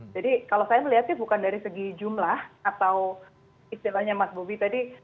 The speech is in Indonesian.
jadi kalau saya melihatnya bukan dari segi jumlah atau istilahnya mas bobi tadi